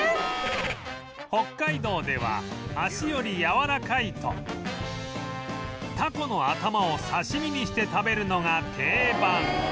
北海道では脚よりやわらかいとタコの頭を刺し身にして食べるのが定番